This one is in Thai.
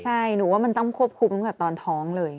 ใช่หนูว่ามันต้องควบคุมตั้งแต่ตอนท้องเลย